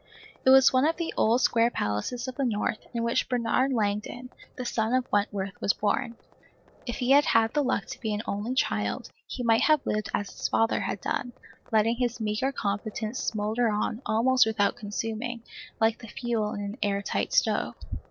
It was one of the old square palaces of the North, in which Bernard Langdon, the son of Wentworth, was born. If he had had the luck to be an only child, he might have lived as his father had done, letting his meagre competence smoulder on almost without consuming, like the fuel in an air tight stove.